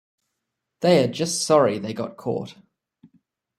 They are just sorry they got caught.